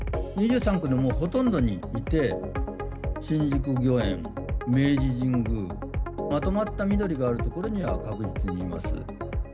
２３区にはもうほとんどにいて、新宿御苑、明治神宮、まとまった緑がある所には、確実にいます。